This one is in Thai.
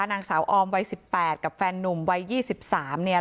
นางสาวออมวัย๑๘กับแฟนนุ่มวัย๒๓เนี่ย